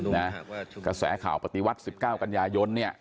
ว่าแข่วแข่วปฏิวัตร๑๙กันยาย้อนนี่